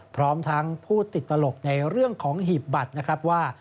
พร้อมทั้งพูดติดตลกในเรื่องของหีบบัตรนะครับว่า